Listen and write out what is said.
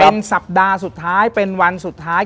เป็นสัปดาห์สุดท้ายเป็นวันสุดท้าย